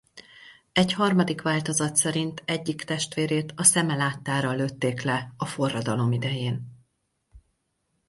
Egy harmadik változat szerint egyik testvérét a szeme láttára lőtték le a forradalom idején.